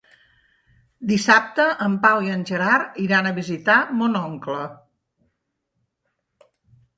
Dissabte en Pau i en Gerard iran a visitar mon oncle.